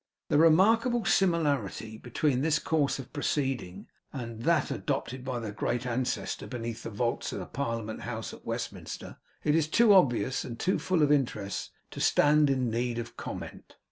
The remarkable similarity between this course of proceeding and that adopted by their Great Ancestor beneath the vaults of the Parliament House at Westminster, is too obvious and too full of interest, to stand in need of comment.